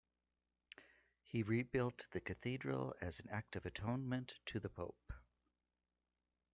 He rebuilt the cathedral as an act of atonement to the Pope.